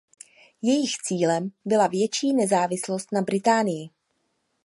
Jejich cílem byla větší nezávislost na Británii.